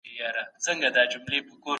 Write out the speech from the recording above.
وزیران به انفرادي حقونه خوندي کړي.